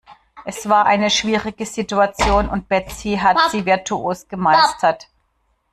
Es war eine schwierige Situation und Betsy hat sie virtuos gemeistert.